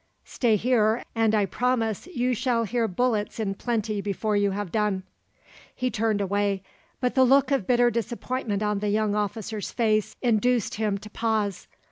Stay here, and I promise you shall hear bullets in plenty before you have done." He turned away, but the look of bitter disappointment on the young officer's face induced him to pause.